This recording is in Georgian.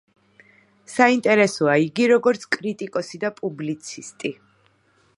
საინტერესოა იგი, როგორც კრიტიკოსი და პუბლიცისტი.